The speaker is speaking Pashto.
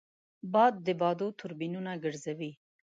باد د بادو توربینونه ګرځوي